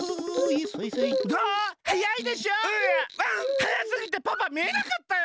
はやすぎてパパみえなかったよ。